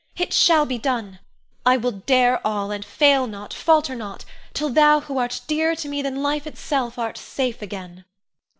It shall be done! I will dare all, and fail not, falter not, till thou who art dearer to me than life itself art safe again.